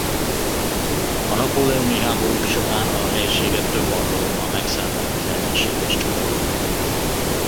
A napóleoni háborúk során a helységet több alkalommal megszállták az ellenséges csapatok.